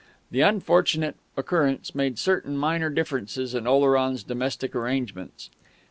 The unfortunate occurrence made certain minor differences in Oleron's domestic arrangements.